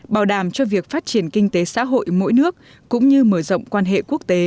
bảo đảm cho việc phát triển kinh tế xã hội mỗi nước cũng như mở rộng quan hệ quốc tế